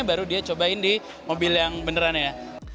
baru dia cobain di mobil yang beneran ya